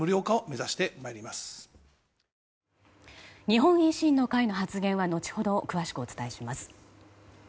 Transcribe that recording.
日本維新の会の発言は後ほど詳しくお伝えします。